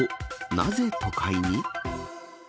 なぜ都会に？